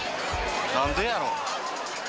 なんでやろ。